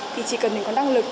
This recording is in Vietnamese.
thì chỉ cần mình có năng lực